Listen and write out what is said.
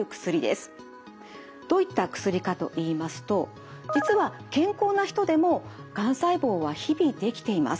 どういった薬かといいますと実は健康な人でもがん細胞は日々出来ています。